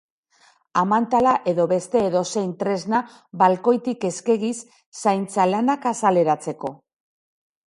Amantala edo beste edozein tresna balkoitik eskegiz, zaintza lanak azaleratzeko.